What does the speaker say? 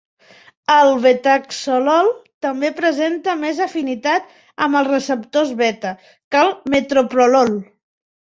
El betaxolol també presenta més afinitat amb els receptors beta que el metoprolol.